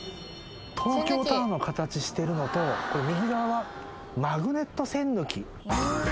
東京タワーの形してるのとこれ右側はマグネット栓抜き。